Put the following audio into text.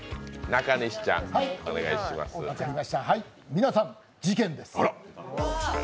皆さん、事件です。